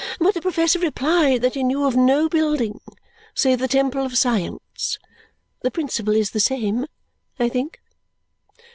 But the professor replied that he knew of no building save the Temple of Science. The principle is the same, I think?"